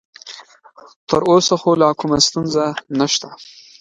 تر اوسه خو لا کومه ستونزه نشته.